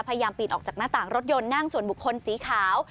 พยายามปีนออกจากหน้าต่างรถยนต์นั่งส่วนบุคคลสีขาว